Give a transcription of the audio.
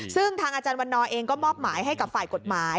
ซึ่งทางอาจารย์วันนอร์เองก็มอบหมายให้กับฝ่ายกฎหมาย